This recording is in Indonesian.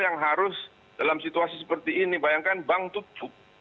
yang harus dalam situasi seperti ini bayangkan bank tutup